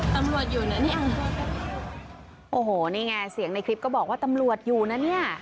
ตำรวจอยู่นะเนี่ยโอ้โหนี่ไงเสียงในคลิปก็บอกว่าตำรวจอยู่นะเนี่ย